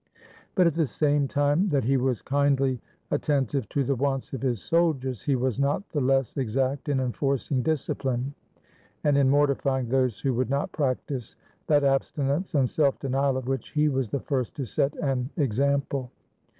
But at the same time that he was kindly attentive to the wants of his soldiers, he was not the less exact in enforcing discipline, and in mortifying those who would not prac tice that abstinence and self denial of which he was the first to set an example.